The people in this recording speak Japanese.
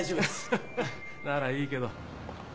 ハハならいいけど。